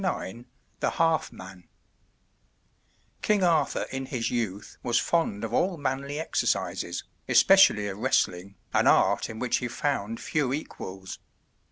IX THE HALF MAN King Arthur in his youth was fond of all manly exercises, especially of wrestling, an art in which he found few equals.